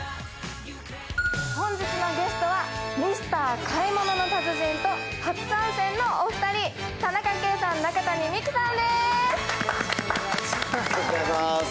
本日のゲストはミスター買い物の達人と初参戦のお二人、田中圭さん、中谷美紀さん